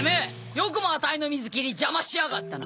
よくもアタイの水切り邪魔しやがったな！